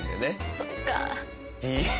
そっか。